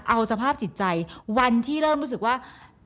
เอาสภาพจิตใจวันที่เริ่มรู้สึกว่า